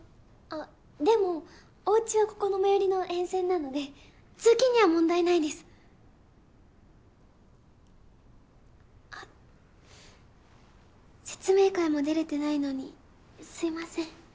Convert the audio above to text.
あっでもおうちはここの最寄りの沿線なので通勤には問題ないですあ説明会も出れてないのにすいません